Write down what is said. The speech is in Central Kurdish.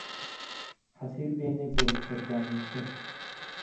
حەسیر بێنێ بۆ لە سەر دانیشتن